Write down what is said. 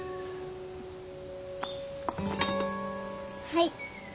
はい。